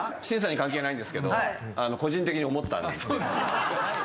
審査に関係ないんですけど個人的に思った。